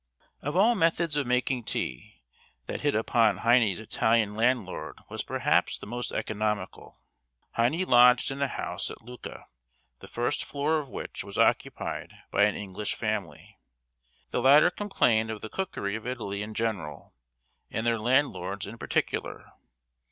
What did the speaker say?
Of all methods of making tea, that hit upon by Heine's Italian landlord was perhaps the most economical. Heine lodged in a house at Lucca, the first floor of which was occupied by an English family. The latter complained of the cookery of Italy in general, and their landlord's in particular.